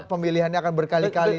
pemilihan akan berkali kali